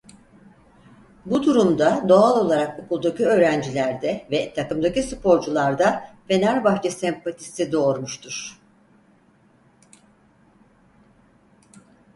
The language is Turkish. Bu durum da doğal olarak okuldaki öğrencilerde ve takımdaki sporcularda Fenerbahçe sempatisi doğurmuştur.